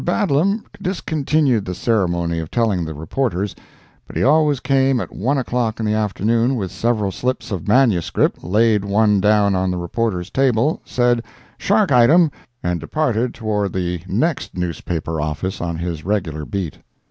Badlam discontinued the ceremony of telling the reporters, but he always came at 1 o'clock in the afternoon with several slips of manuscript, laid one down on the reporter's table, said "Shark item," and departed toward the next newspaper office on his regular beat.